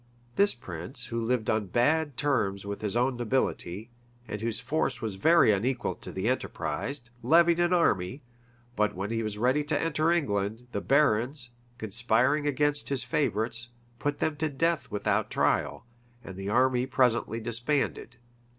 This prince, who lived on bad terms with his own nobility, and whose force was very unequal to the enterprise, levied an army; but when he was ready to enter England, the barons, conspiring against his favorites, put them to death without trial; and the army presently disbanded.